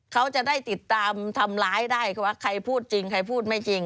เขาจะได้ติดตามทำร้ายได้ว่าใครพูดจริงใครพูดไม่จริง